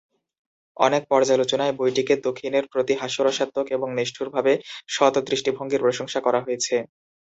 অনেক পর্যালোচনায় বইটিকে দক্ষিণের প্রতি হাস্যরসাত্মক এবং নিষ্ঠুরভাবে সৎ দৃষ্টিভঙ্গির প্রশংসা করা হয়েছে।